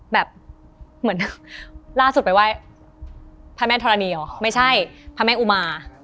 แบบเหมือนล่าสุดไปไหว้พระแม่ธรณีเหรอไม่ใช่พระแม่อุมา